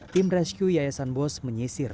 tim rescue yayasan bos menyisir